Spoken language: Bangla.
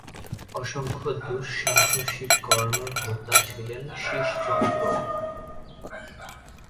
অসংখ্য দু:সাহসিক কর্মের হোতা ছিলেন শ্রীশচন্দ্র।